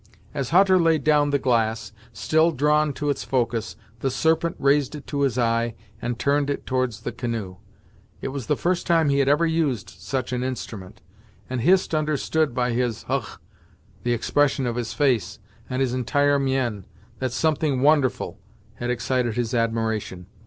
As Hutter laid down the glass, still drawn to its focus, the Serpent raised it to his eye and turned it towards the canoe. It was the first time he had ever used such an instrument, and Hist understood by his "Hugh!," the expression of his face, and his entire mien, that something wonderful had excited his admiration.